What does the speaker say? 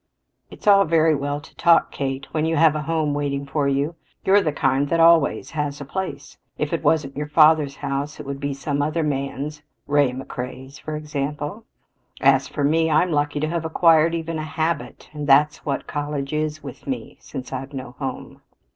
"It's all very well to talk, Kate, when you have a home waiting for you. You're the kind that always has a place. If it wasn't your father's house it would be some other man's Ray McCrea's, for example. As for me, I'm lucky to have acquired even a habit and that's what college is with me since I've no home."